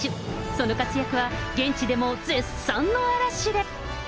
その活躍は、現地でも絶賛の嵐で。